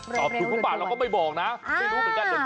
ตอบทุกคุณป่าวก็ไม่บอกนะไม่รู้เหมือนกัน